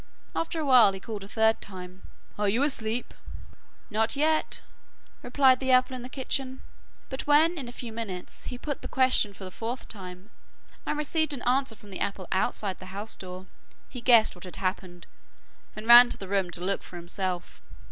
After a while, he called a third time, 'Are you asleep?' 'Not yet,' replied the apple in the kitchen, but when in a few minutes, he put the question for the fourth time and received an answer from the apple outside the house door, he guessed what had happened, and ran to the room to look for himself.